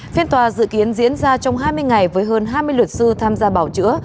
phiên tòa dự kiến diễn ra trong hai mươi ngày với hơn hai mươi luật sư tham gia bảo chữa